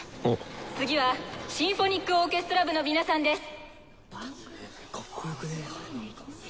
次はシンフォニックオーケストラ部の皆さんです！